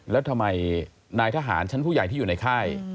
แล้วทำไมนายทหารชั้นผู้ใหญ่ที่อยู่ในค่าย